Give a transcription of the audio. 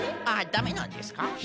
あっダメなんですか？